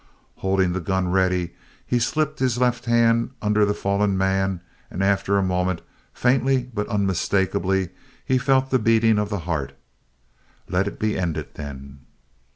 Holding the gun ready, he slipped his left hand under the fallen man and after a moment, faintly but unmistakably, he felt the beating of the heart. Let it be ended, then!